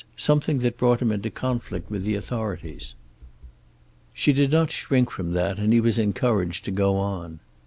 Something that brought him into conflict with the authorities." She did not shrink from that, and he was encouraged to go on.